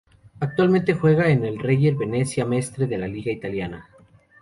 Actualmente juega en el Reyer Venezia Mestre de la liga italiana.